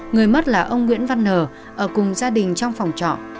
người mất là ông nguyễn văn nờ ở cùng gia đình trong phòng trọ